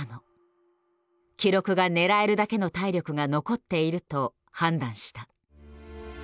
記録が狙えるだけの体力が残っていると判断した。